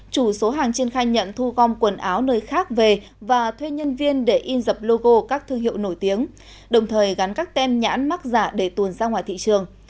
chủ số hàng trên khai nhận thu gom quần áo nơi khác về và thuê nhân viên để in dập logo các thương hiệu nổi tiếng đồng thời gắn các tem nhãn mắc giả để tuồn ra ngoài thị trường